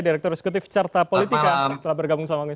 direktur eksekutif carta politika telah bergabung sama kami